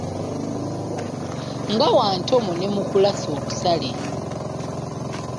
Nga wa ntomo ne mu kulasa obusaale.